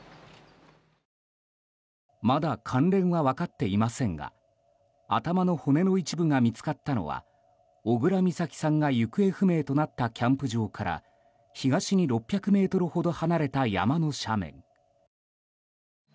まだ関連は分かっていませんが頭の骨の一部が見つかったのは小倉美咲さんが行方不明者となったキャンプ場から東に６００ｍほど離れた山の斜面。